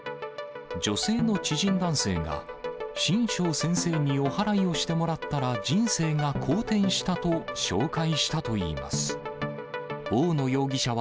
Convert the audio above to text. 女性の知人男性が、神生先生におはらいをしてもらったら、人生が好転したと紹介したといいます。